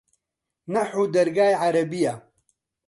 نەحوو دەرگای عەرەبییە